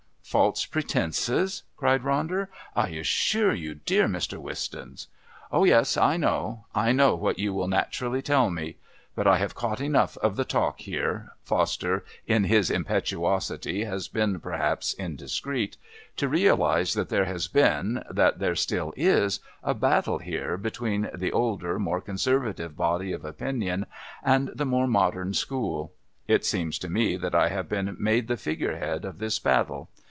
"False pretences!" cried Ronder. "I assure you, dear Mr. Wistons " "Oh, yes, I know. I know what you will naturally tell me. But I have caught enough of the talk here Foster in his impetuosity has been perhaps indiscreet to realise that there has been, that there still is, a battle here between the older, more conservative body of opinion and the more modern school. It seems to me that I have been made the figure head of this battle.